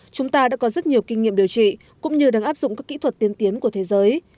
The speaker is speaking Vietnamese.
chúng ta đã có rất nhiều kinh nghiệm điều trị cũng như đang áp dụng các kỹ thuật tiên tiến của thế giới